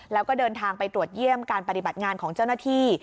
แล้วก็เดินทางไปตรวจเยี่ยมการปฏิบัติงานของเจ้าหน้าที่